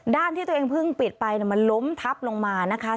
ด้านที่ตัวเองเพิ่งปิดไปเนี้ยมันล้มทับลงมานะคะค่ะ